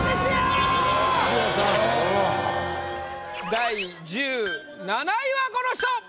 第１７位はこの人！